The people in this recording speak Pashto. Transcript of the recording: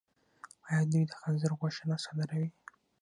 آیا دوی د خنزیر غوښه نه صادروي؟